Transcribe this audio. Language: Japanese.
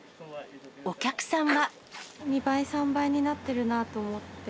お客さんは？